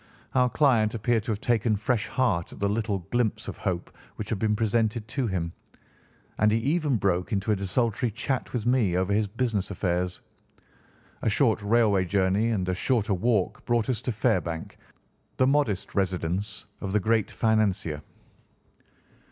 Our client appeared to have taken fresh heart at the little glimpse of hope which had been presented to him, and he even broke into a desultory chat with me over his business affairs. A short railway journey and a shorter walk brought us to Fairbank, the modest residence of the great financier.